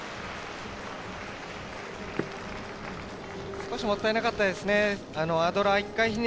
少しもったいなかったですね。